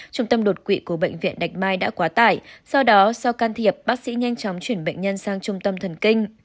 trung tâm đột quỵ của bệnh viện bạch mai đã quá tải sau đó sau can thiệp bác sĩ nhanh chóng chuyển bệnh nhân sang trung tâm thần kinh